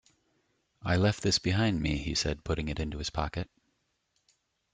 "I left this behind me," he said, putting it into his pocket.